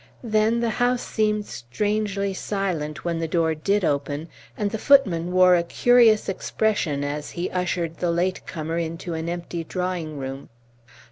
Then the house seemed strangely silent when the door did open, and the footman wore a curious expression as he ushered the late comer into an empty drawing room.